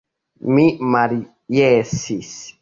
Mi maljesis.